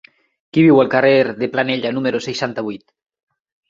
Qui viu al carrer de Planella número seixanta-vuit?